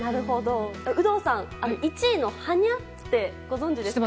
有働さん、１位の「はにゃ？」ってご存じですか？